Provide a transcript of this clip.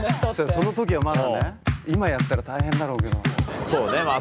その時はまだね今やったら大変だろうけど。